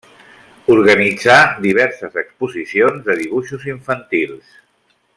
Organitzà diverses exposicions de dibuixos infantils.